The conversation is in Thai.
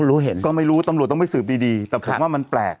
รู้เห็นก็ไม่รู้ตำรวจต้องไปสืบดีดีแต่ผมว่ามันแปลก